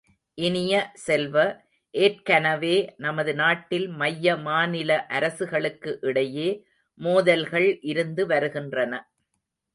இனிய செல்வ, ஏற்கனவே நமது நாட்டில் மைய மாநில அரசுகளுக்கு இடையே மோதல்கள் இருந்து வருகின்றன.